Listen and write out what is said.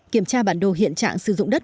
kiểm tra bản đồ hiện trạng sử dụng đất